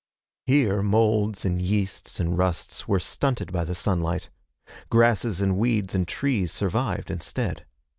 Here moulds and yeasts and rusts were stunted by the sunlight. Grasses and weeds and trees survived, instead.